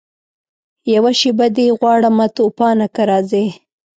یوه شېبه دي غواړمه توپانه که راځې